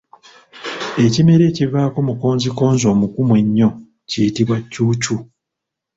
Ekimera ekivaako mukonzikonzi omugumu ennyo kiyitibwa Ccuucu